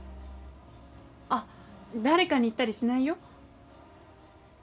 あっ誰かに言ったりしないよ？